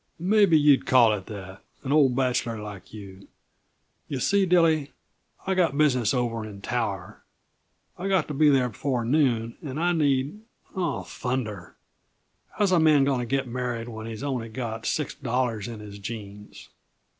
"Maybe yuh'd call it that an old bachelor like you! Yuh see, Dilly, I've got business over in Tower. I've got to be there before noon, and I need aw, thunder! How's a man going to get married when he's only got six dollars in his jeans?"